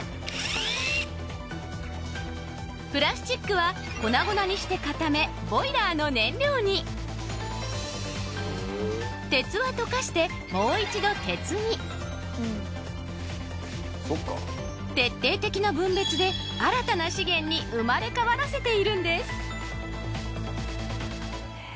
プラスチックは粉々にして固めボイラーの燃料に鉄は溶かしてもう一度鉄に徹底的な分別で新たな資源に生まれ変わらせているんです！